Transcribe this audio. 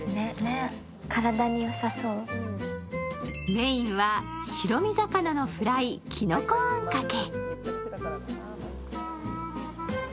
メインは白身魚のフライきのこあんかけ。